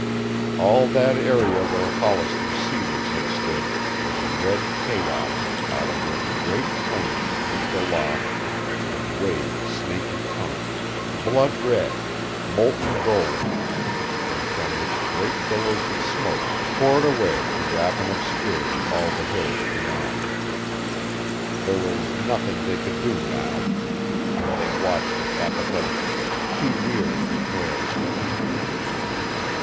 All that area where Hollisters cedars had stood was a red chaos out of which great flames leaped aloft and waved snaky tongues, blood red, molten gold, and from which great billows of smoke poured away to wrap in obscurity all the hills beyond. There was nothing they could do now. They watched it apathetically, too weary to care.